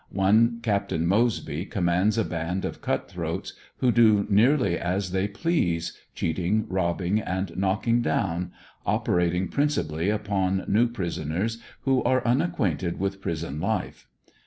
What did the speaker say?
One Captain Moseby commands a band of cut throats who do near ly as they please, cheating, robbing and knocking down — operating principally upon new prisoners wno are unacquainted with prison life.